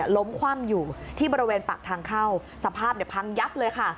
คว่ำอยู่ที่บริเวณปากทางเข้าสภาพพังยับเลยค่ะ